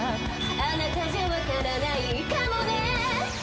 「あなたじゃ分からないかもね」